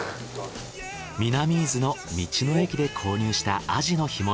南伊豆の道の駅で購入したアジの干物。